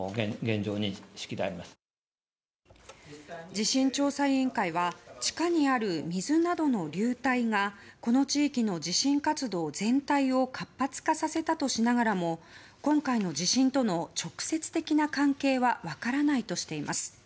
地震調査委員会は地下にある水などの流体がこの地域の地震活動全体を活発化させたとしながらも今回の地震との直接的な関係は分からないとしています。